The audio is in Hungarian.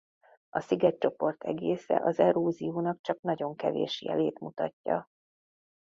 A szigetcsoport egésze az eróziónak csak nagyon kevés jelét mutatja.